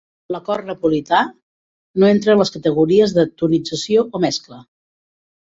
L'acord napolità no entra en les categories de tonització o mescla.